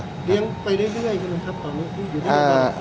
เลี้ยงไปได้ด้วยครับอ่า